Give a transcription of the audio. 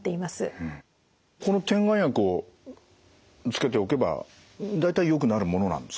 この点眼薬をつけておけば大体よくなるものなんですかね？